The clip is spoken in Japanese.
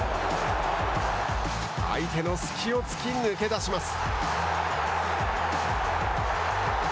相手の隙をつき抜け出します。